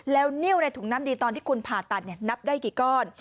แล้วนิ้วในถุงน้ำดีตอนที่คุณผ่าตัดนับได้กี่ก้อน